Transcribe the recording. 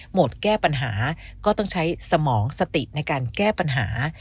หมดแก้ปัญหาก็ต้องใช้สมองสติในการแก้ปัญหา